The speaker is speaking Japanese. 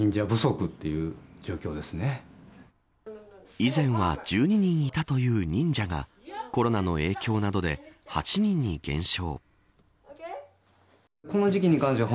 以前は１２人いたという忍者がコロナの影響などで８人に減少。